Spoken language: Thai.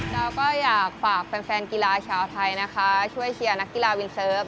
เราก็อยากฝากแฟนกีฬาชาวไทยนะคะช่วยเชียร์นักกีฬาวินเซิร์ฟ